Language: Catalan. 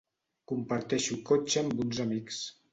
Comparteixo cotxe amb uns amics.